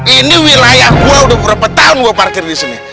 ini wilayah gue udah berapa tahun gue parkir disini